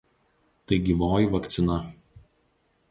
Tai gyvoji vakcina.